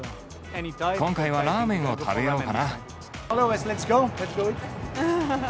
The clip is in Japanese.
今回はラーメンを食べようかな。